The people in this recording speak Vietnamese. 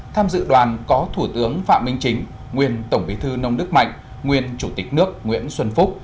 tham dự đoàn có thủ tướng phạm minh chính nguyên tổng bí thư nông đức mạnh nguyên chủ tịch nước nguyễn xuân phúc